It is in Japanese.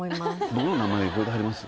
僕の名前覚えてはります？